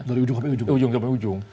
dari ujung sampai ujung